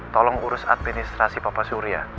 tolong urus administrasi bapak surya